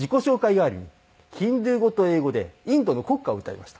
代わりにヒンディー語と英語でインドの国歌を歌いました。